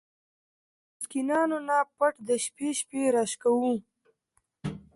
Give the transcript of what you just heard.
د مسکينانو نه پټ د شپې شپې را شکوو!!.